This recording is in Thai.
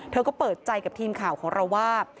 เธอก็เปิดใจกับทีมข่าวของเราว่า